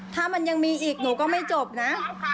ถ้ามันยังมีอีกหนูก็ไม่จบนะ